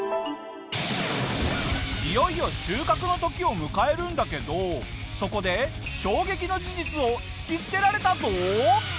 いよいよ収穫の時を迎えるんだけどそこで衝撃の事実を突きつけられたぞ！